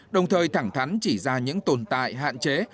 đồng thời thẳng thắn chỉ ra những tồn tại hạn chế